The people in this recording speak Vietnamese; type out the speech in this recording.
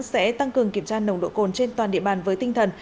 sẽ tăng cường kiểm tra nồng độ cồn trên toàn địa bàn với tinh thần